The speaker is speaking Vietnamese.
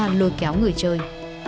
tham gia lôi kéo người chơi